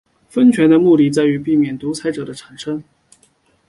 分权的目的在于避免独裁者的产生。